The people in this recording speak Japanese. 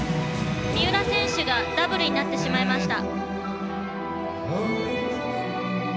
三浦選手がダブルになってしまいました。